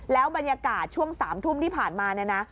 แล้วบรรยากาศช่วง๓ทุ่มที่ผ่านมา